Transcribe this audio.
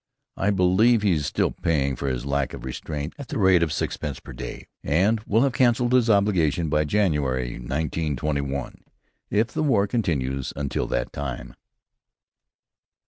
I believe he is still paying for his lack of restraint at the rate of a sixpence per day, and will have canceled his obligation by January, 1921, if the war continues until that time.